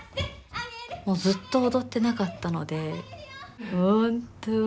もうずっと踊ってなかったので本当に大変です。